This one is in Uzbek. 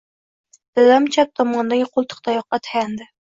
Dadam chap tomonidagi qoʻltiqtayoqqa tayandi.